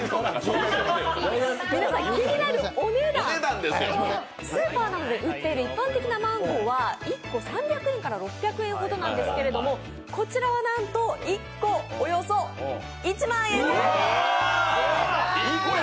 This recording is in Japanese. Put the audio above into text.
気になるお値段、スーパーなどで売っている一般的なマンゴーは１個３００円から６００円ほどなんですけど３こちらはなんと、１個およそ１万円！